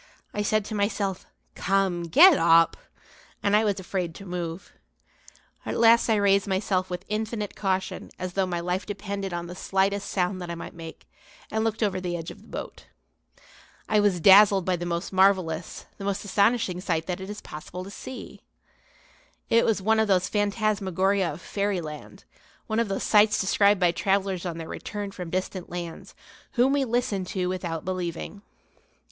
I said to myself: "Come, get up!" and I was afraid to move. At last I raised myself with infinite caution as though my life depended on the slightest sound that I might make; and looked over the edge of the boat. I was dazzled by the most marvellous, the most astonishing sight that it is possible to see. It was one of those phantasmagoria of fairyland, one of those sights described by travellers on their return from distant lands, whom we listen to without believing.